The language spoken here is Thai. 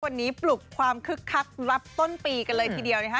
วันนี้ปลุกความคึกคักรับต้นปีกันเลยทีเดียวนะคะ